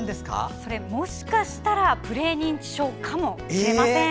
それ、もしかしたらプレ認知症かもしれません。